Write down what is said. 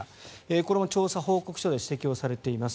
これも調査報告書で指摘されています。